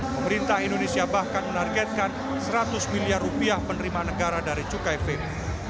pemerintah indonesia bahkan menargetkan seratus miliar rupiah penerimaan negara dari cukai vape